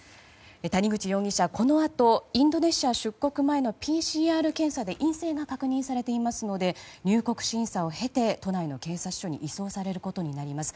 谷口容疑者、このあとインドネシア出国前のＰＣＲ検査で陰性が確認されていますので入国審査を経て、都内の警察署に移送されることになります。